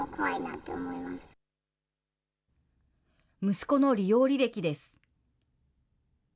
息子の利用履歴です。